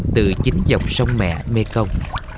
từ chính dòng sông mẹ mê công